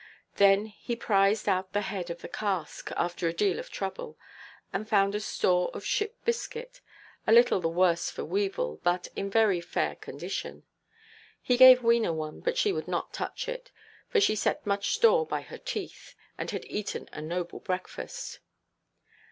Then he prized out the head of the cask, after a deal of trouble, and found a store of ship–biscuit, a little the worse for weevil, but in very fair condition. He gave Wena one, but she would not touch it, for she set much store by her teeth, and had eaten a noble breakfast.